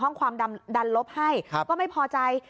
ห้องความดันลบให้ก็ไม่พอใจ